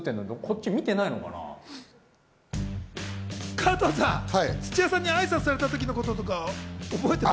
加藤さん、土屋さんに挨拶されたときのこととか覚えてます？